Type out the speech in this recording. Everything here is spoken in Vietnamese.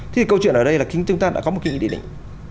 thì câu chuyện ở đây là chúng ta đã có một cái nghị định